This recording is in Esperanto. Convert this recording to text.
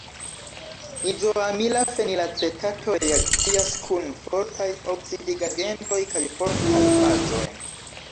Izoamila fenilacetato reakcias kun fortaj oksidigagentoj kaj fortaj bazoj.